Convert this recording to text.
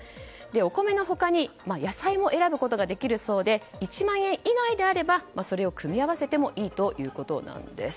お米の他に野菜も選ぶことができるそうで１万円以内ならそれを組み合わせてもいいということです。